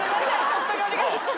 ホントにお願いします。